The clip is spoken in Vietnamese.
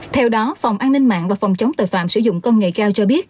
theo đó phòng an ninh mạng và phòng chống tội phạm sử dụng công nghệ cao cho biết